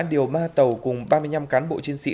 điều ba tàu cùng ba mươi năm cán bộ chiến sĩ